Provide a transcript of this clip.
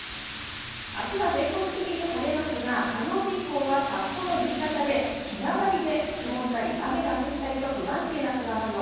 明日は全国的に晴れますが火曜日以降は札幌、新潟で日替わりで曇ったり雨が降ったりと不安定な空模様。